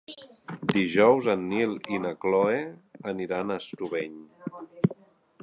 Dijous en Nil i na Cloè aniran a Estubeny.